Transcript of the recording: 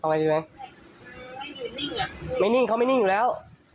ไงดีไหมไม่นิ่งเขาไม่นิ่งอยู่แล้ว